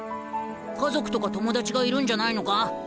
家族とか友達がいるんじゃないのか？